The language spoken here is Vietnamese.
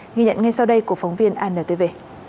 nghi nhận ngay sau đây của phóng viên anntv